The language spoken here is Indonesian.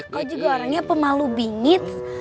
kau juga orangnya pemalu bingit